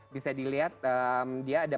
bisa dilihat dia ada